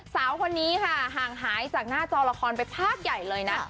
สาวคนนี้ค่ะห่างหายจากหน้าจอละครไปภาคใหญ่เลยนะ